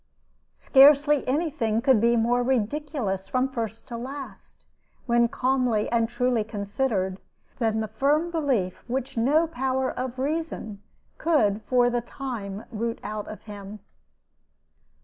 Scarcely any thing could be more ridiculous from first to last, when calmly and truly considered, than the firm belief which no power of reason could for the time root out of him.